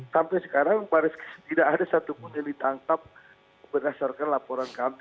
sampai sekarang baris krim tidak ada satupun yang ditangkap berdasarkan laporan kami